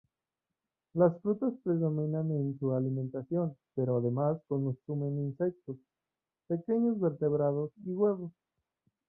Las frutas predominan en su alimentación, pero además consumen insectos, pequeños vertebrados y huevos.